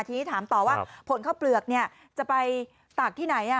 ทีนี้ถามต่อว่าผลข้าวเปลือกจะไปตากที่ไหน